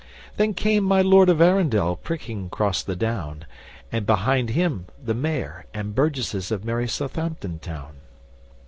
Then came my Lord of Arundel pricking across the down, And behind him the Mayor and Burgesses of merry Suthampton town.